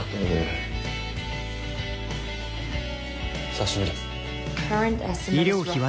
久しぶり。